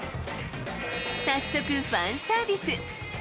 早速ファンサービス。